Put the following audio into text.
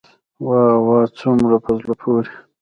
واه واه څومره په زړه پوري.